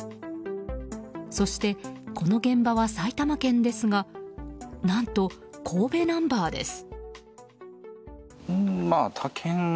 そして、この現場は埼玉県ですが何と、神戸ナンバーです。